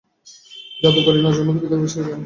জাদুগিরি এবং নজরবন্দি তার পিতার বিশেষ জ্ঞান ছিল।